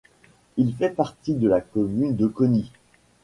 Il fait partie de la commune de Konye.